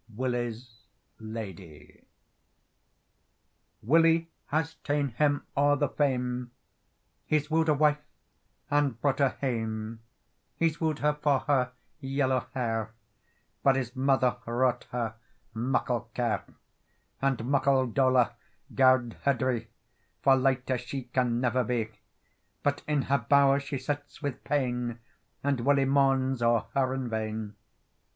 WILLIE'S LADYE WILLIE has ta'en him o'er the faem, He's wooed a wife, and brought her hame; He's wooed her for her yellow hair, But his mother wrought her meikle care; And meikle dolour gar'd her dree, For lighter she can never be; But in her bow'r she sits with pain, And Willie mourns o'er her in vain.